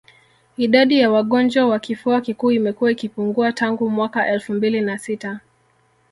Idadi ya wagonjwa wa kifua kikuu imekuwa ikipungua tangu mwaka elfu mbili na sita